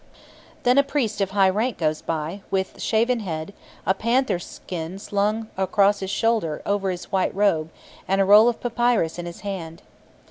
Then a priest of high rank goes by, with shaven head, a panther skin slung across his shoulder over his white robe, and a roll of papyrus in his hand.